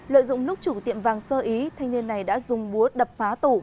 lợi dụng lúc chủ tiệm vàng sơ ý thanh niên này đã dùng búa đập phá tủ